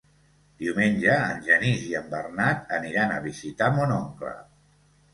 Diumenge en Genís i en Bernat aniran a visitar mon oncle.